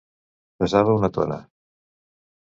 Pesava una tona.